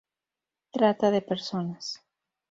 Trata de personas